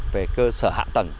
về cơ sở hạ tầng